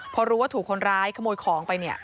พอรู้ว่าถูกคนร้ายขโมยของไปเนี่ย